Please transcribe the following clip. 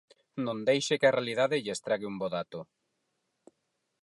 Non deixe que a realidade lle estrague un bo dato.